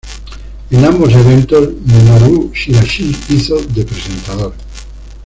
En ambos eventos Minoru Shiraishi hizo de presentador.